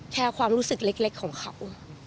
แค่ความรู้สึกเล็กของเขา